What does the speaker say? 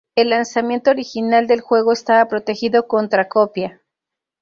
El lanzamiento original del juego estaba protegido contra copia.